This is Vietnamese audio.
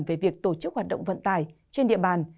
về việc tổ chức hoạt động vận tải trên địa bàn